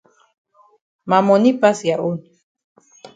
Ma moni pass ya own.